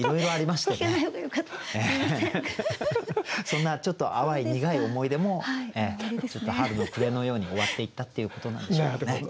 そんなちょっと淡い苦い思い出も春の暮のように終わっていったっていうことなんでしょうね。